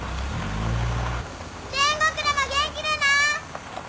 天国でも元気でな！